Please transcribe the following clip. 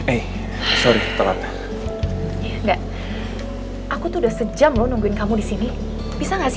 eh sorry toroto enggak aku tuh udah sejam loh nungguin kamu disini bisa nggak sih